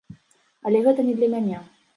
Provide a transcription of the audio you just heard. Але гэта не для мяне.